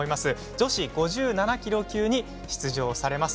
女子５７キロ級に出場されます。